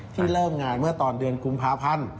เริ่มงานเมื่อตอนเดือนกุมภาพันธ์